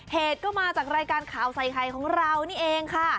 เหตุก็มาจากรายการข่าวใส่ไข่ของเรานี่เองค่ะ